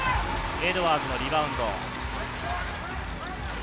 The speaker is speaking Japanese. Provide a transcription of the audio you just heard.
エドワーズのリバウンド。